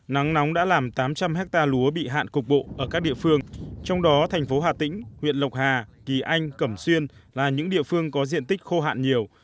nắng nóng đã làm tám trăm linh hectare lúa bị hạn cục bộ ở các địa phương trong đó thành phố hà tĩnh huyện lộc hà kỳ anh cẩm xuyên là những địa phương có diện tích khô hạn nhiều